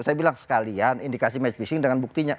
saya bilang sekalian indikasi match phishing dengan buktinya